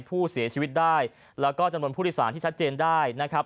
ผู้เสียชีวิตได้แล้วก็จำนวนผู้โดยสารที่ชัดเจนได้นะครับ